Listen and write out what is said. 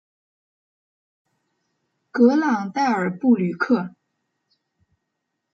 格朗代尔布吕克。